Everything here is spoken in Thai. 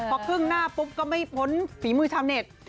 พอครึ่งหน้าปุ๊บก็ไม่พ้นฝีมือชาวเน็ต